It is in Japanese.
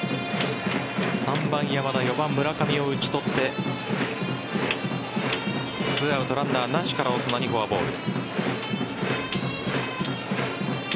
３番・山田４番・村上を打ち取って２アウトランナーなしからオスナにフォアボール。